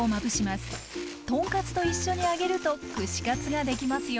豚カツと一緒に揚げると串カツができますよ。